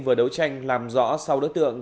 vừa đấu tranh làm rõ sau đối tượng